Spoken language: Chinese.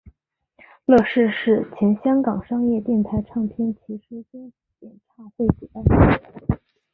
乐仕是前香港商业电台唱片骑师兼演唱会主办人。